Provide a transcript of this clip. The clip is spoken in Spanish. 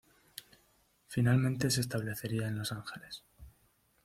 Finalmente se establecería en Los Ángeles.